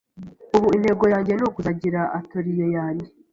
Ubu intego yange ni ukuzagira atoriye yange